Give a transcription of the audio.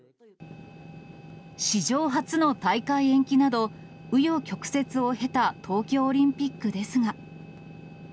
史上初の大会延期など、う余曲折を経た東京オリンピックですが。